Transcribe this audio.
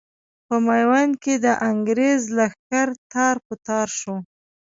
په ميوند کې د انګرېز لښکر تار په تار شو.